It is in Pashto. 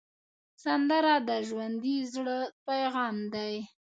سندره د ژوندي زړه پیغام دی